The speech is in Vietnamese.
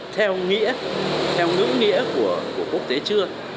theo nghĩa theo nữ nghĩa của quốc tế chưa